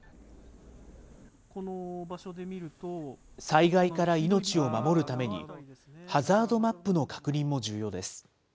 災害から命を守るために、ハザードマップの確認も重要です。